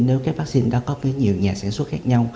nếu các vaccine đã có với nhiều nhà sản xuất khác nhau